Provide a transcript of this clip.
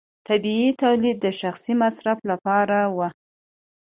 طبیعي تولید د شخصي مصرف لپاره و.